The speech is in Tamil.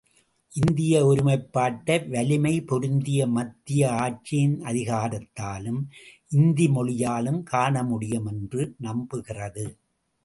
இந்திய ஒருமைப்பாட்டை வலிமை பொருந்திய மத்திய ஆட்சியின் அதிகாரத்தாலும் இந்தி மொழியாலும் காணமுடியும் என்று நம்புகிறது.